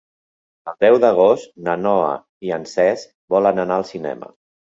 El deu d'agost na Noa i en Cesc volen anar al cinema.